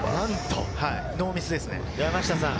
ノーミスですね。